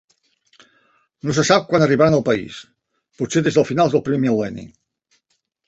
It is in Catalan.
No se sap quan arribaren al país, potser des de finals del primer mil·lenni.